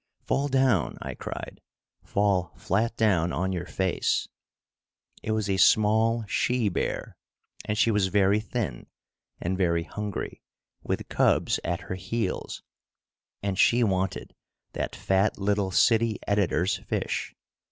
"Fall down," I cried, "fall flat down on your face." It was a small she bear, and she was very thin and very hungry, with cubs at her heels, and she wanted that fat little city editor's fish.